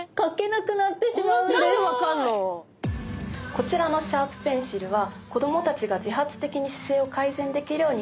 こちらのシャープペンシルは。